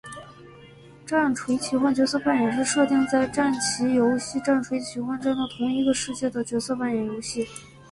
战锤奇幻角色扮演是设定在战棋游戏战锤奇幻战斗同一个世界的角色扮演游戏。